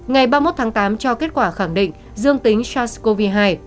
ngày ba mươi một tháng tám cho kết quả khẳng định dương tính sars cov hai